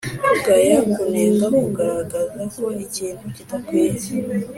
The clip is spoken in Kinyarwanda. kugaya : kunenga; kugaragaza ko ikintu kidakwiye.